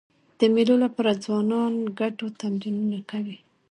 د مېلو له پاره ځوانان ګډو تمرینونه کوي.